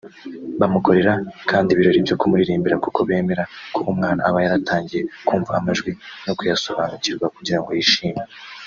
Bamukorera kandi ibirori byo kumuririmbira kuko bemera ko umwana aba yaratangiye kumva amajwi no kuyasobanukirwa kugira ngo yishime